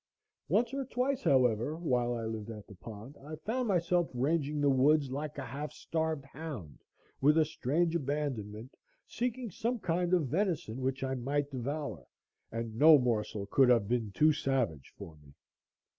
Once or twice, however, while I lived at the pond, I found myself ranging the woods, like a half starved hound, with a strange abandonment, seeking some kind of venison which I might devour, and no morsel could have been too savage for me.